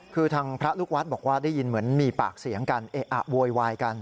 คือทางพระลูกวัดบอกว่าได้ยินเหมือนมีปากเสียงกันเอะอะโวยวายกัน